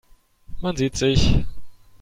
Man sieht sich.